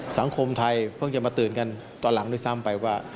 สังคมไทยเพิ่งจะมาตื่นกันตอนหลังด้วยซ้ำไปว่า